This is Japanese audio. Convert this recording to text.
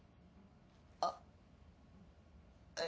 あっえっ